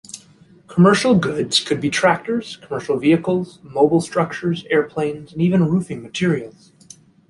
Commercial goods could be tractors, commercial vehicles, mobile structures, airplanes and even roofing materials.